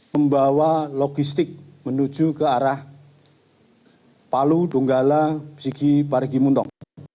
membawa logistik menuju ke arah palu donggala sigi parigi muntong